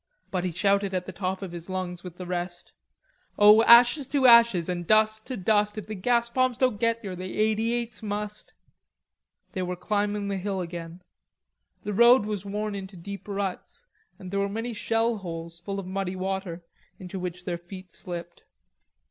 But he shouted at the top of his lungs with the rest: "O ashes to ashes An' dust to dust; If the gasbombs don't get yer The eighty eights must." They were climbing the hill again. The road was worn into deep ruts and there were many shell holes, full of muddy water, into which their feet slipped.